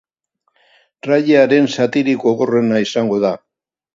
Ralliaren zatirik gogorrena izango da.